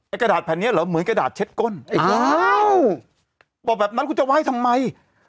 ไอ้กะดาลแผ่นเนี่ยเหมือนกะดาดเช็ดก้นเอาแบบนั้นกุ๊บไว้ทำไม